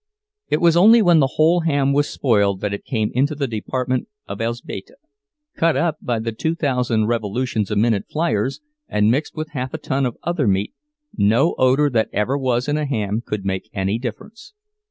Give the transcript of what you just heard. It was only when the whole ham was spoiled that it came into the department of Elzbieta. Cut up by the two thousand revolutions a minute flyers, and mixed with half a ton of other meat, no odor that ever was in a ham could make any difference.